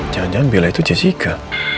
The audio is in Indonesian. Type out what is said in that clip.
jangan jangan bela itu jessica